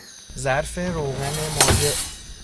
ظرف روغن مایع